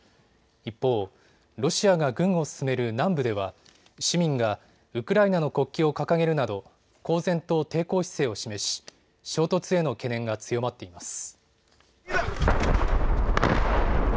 一方、ロシアが軍を進める南部では市民がウクライナの国旗を掲げるなど公然と抵抗姿勢を示し衝突への懸念が強まっています。